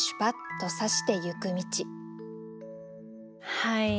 はい。